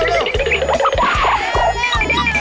เร็ว